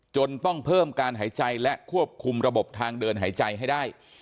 จนต้องเพิ่มการหายใจและควบคุมระบบทางเดินหายใจให้ได้